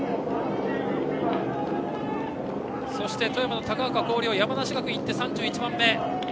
そして富山の高岡向陵山梨学院も行って、３１番目。